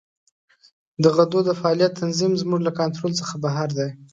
د غدو د فعالیت تنظیم زموږ له کنترول څخه بهر دی.